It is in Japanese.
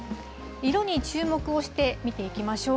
色に注目をして見ていきましょう。